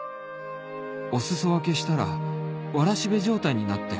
お裾分けしたらわらしべ状態になって